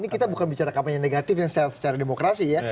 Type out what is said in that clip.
ini kita bukan bicara kampanye negatif yang secara demokrasi ya